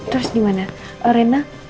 terus gimana reina